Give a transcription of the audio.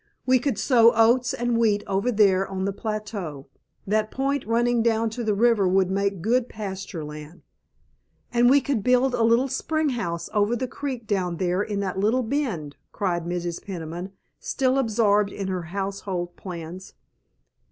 "We could sow oats and wheat over there on the plateau, that point running down to the river would make good pasture land——" "And we could build a little spring house over the creek down there in that little bend," cried Mrs. Peniman, still absorbed in her household plans.